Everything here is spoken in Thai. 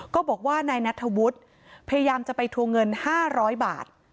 ก็บอกว่านายนัทธวรรศพยายามจะไปทวงเงินห้าร้อยบาท